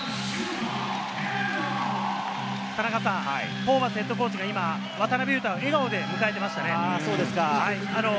ホーバスＨＣが今、渡邊雄太を笑顔で迎えていましたね。